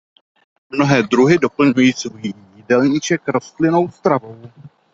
Mnohé druhy doplňují svůj jídelníček rostlinnou stravou.